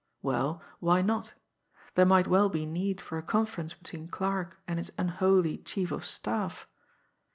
Well, why not! There might well be need for a conference between Clarke and his unholy chief of staff!